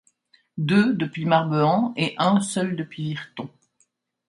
Deux depuis Marbehan et un seul depuis Virton.